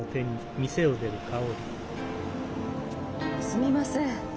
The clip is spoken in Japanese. すみません。